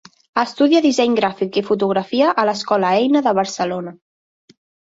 Estudia disseny gràfic i fotografia a l'Escola Eina de Barcelona.